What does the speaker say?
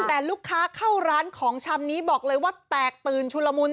แต่ลูกค้าเข้าร้านของชำนี้บอกเลยว่าแตกตื่นชุลมุน